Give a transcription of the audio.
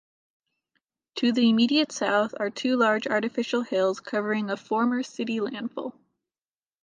To the immediate south are two large artificial hills covering a former city landfill.